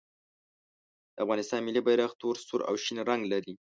د افغانستان ملي بیرغ تور، سور او شین رنګ لري.